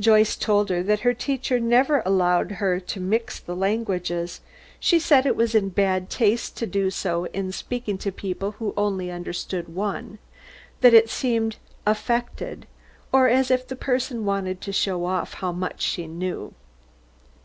Joyce told her that her teacher never allowed her to mix the languages. She said it was in bad taste to do so in speaking to people who only understood one; that it seemed affected, or as if the person wanted to show off how much she knew.